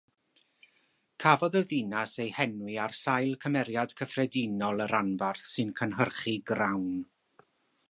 Cafodd y ddinas ei henwi ar sail cymeriad cyffredinol y rhanbarth sy'n cynhyrchu grawn.